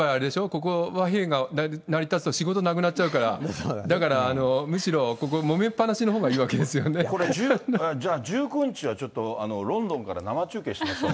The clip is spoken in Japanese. ここ、和平が成り立つと仕事なくなっちゃうから、だから、むしろここ、もめっぱなしのほうがいいこれじゃあ、１９日はロンドンから生中継しましょう。